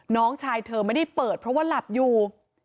น้องชายเธอไม่ได้เปิดเพราะว่าหลับอยู่